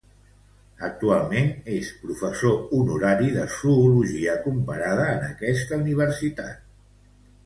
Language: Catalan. Actualment és professor honorari de zoologia comparada en aquesta universitat.